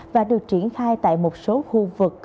và được triển khai tại một số khu vực